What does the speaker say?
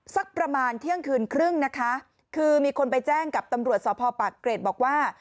สักประมาณเที่ยงคืนครึ่งนะคะคือมีคนไปแจ้งกับตำรวจสพปากเกร็ดบอกว่า